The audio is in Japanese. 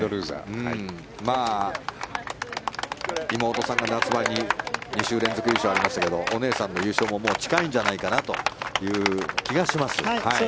妹さんが夏場に２週連続優勝がありましたがお姉さんの優勝も近いんじゃないかという気がします。